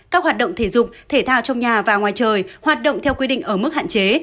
các hoạt động thể dục thể thao trong nhà và ngoài trời hoạt động theo quy định ở mức hạn chế